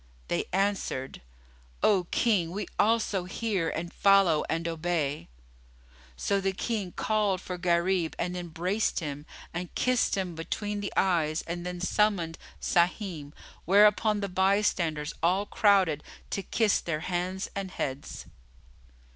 They answered, "O King, we also hear and follow and obey." So the King called for Gharib and embraced him and kissed him between the eyes and then summoned Sahim; whereupon the bystanders all crowded to kiss their hands and heads.